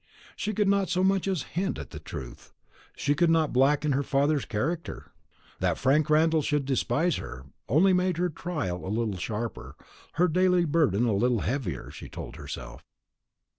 She could not so much as hint at the truth; she could not blacken her father's character. That Frank Randall should despise her, only made her trial a little sharper, her daily burden a little heavier, she told herself.